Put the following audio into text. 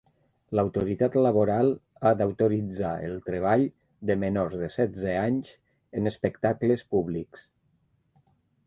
L'autoritat laboral ha d'autoritzar el treball de menors de setze anys en espectacles públics.